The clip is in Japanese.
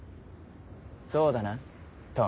そうだな？